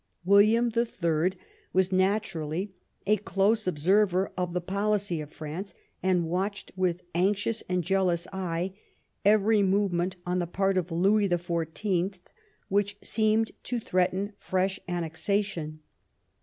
William the Third was naturally a close observer of the policy of France, and watched with anxious and jealous eye every movement on the part of Louis the Fourteenth which seemed to threaten fresh annexation.